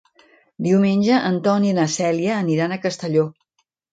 Diumenge en Ton i na Cèlia aniran a Castelló.